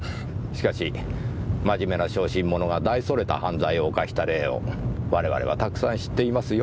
しかし真面目な小心者が大それた犯罪を犯した例を我々はたくさん知っていますよ。